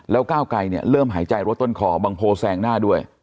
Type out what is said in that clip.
แล้วก้าวไกลเนี่ยเริ่มหายใจรถต้นคอบางโพแซงหน้าด้วย